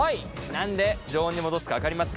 何で常温に戻すか分かりますか？